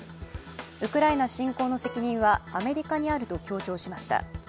ウクライナ侵攻の責任はアメリカにあると強調しました。